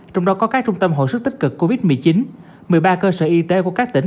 trong đó có các trung tâm hội sức tích cực covid một mươi chín một mươi ba cơ sở y tế của các tỉnh